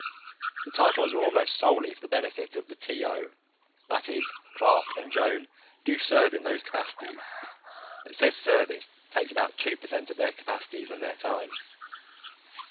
The titles were almost solely for the benefit of the T/O that is, Clark and Joan do serve in those capacities, but said service takes about two per cent of their capacities and their time.